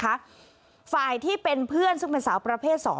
สวัสดีค่ะฝ่ายที่เป็นเพื่อนซึ่งแผ่นสาวประเพยส๒